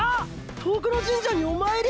遠くの神社にお参り！